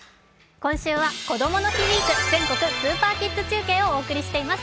今週は「こどもの日ウイーク全国スーパーキッズ中継」をお送りしています。